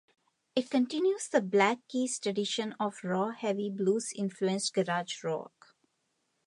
It continues The Black Keys' tradition of raw, heavy blues-influenced garage rock.